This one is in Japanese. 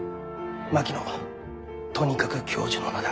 槙野とにかく教授の名だ。